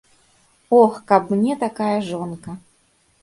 Ох, каб мне такая жонка!